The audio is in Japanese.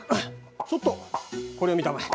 ちょっとこれを見たまえ。